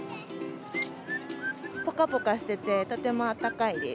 ぽかぽかしてて、とてもあったかいです。